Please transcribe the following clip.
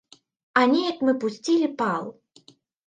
А неяк мы пусцілі пал!